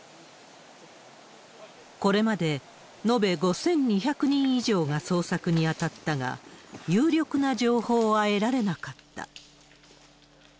これまで延べ５２００人以上が捜索に当たったが、有力な情報は得られなかった。